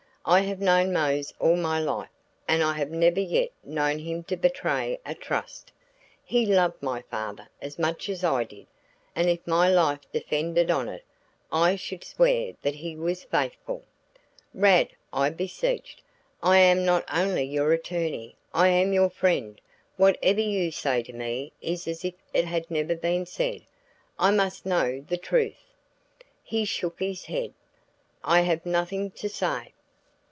"I have known Mose all my life, and I have never yet known him to betray a trust. He loved my father as much as I did, and if my life depended on it, I should swear that he was faithful." "Rad," I beseeched, "I am not only your attorney, I am your friend; whatever you say to me is as if it had never been said. I must know the truth." He shook his head. "I have nothing to say."